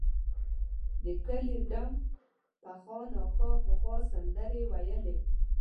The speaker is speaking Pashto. د کلي ډم فخان اکا پخوا سندرې ویلې.